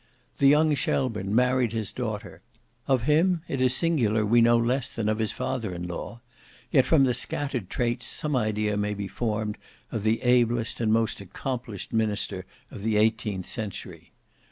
The young Shelburne married his daughter. Of him it is singular we know less than of his father in law, yet from the scattered traits some idea may be formed of the ablest and most accomplished minister of the eighteenth century.